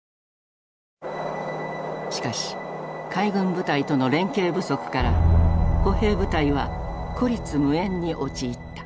しかし海軍部隊との連携不足から歩兵部隊は孤立無援に陥った。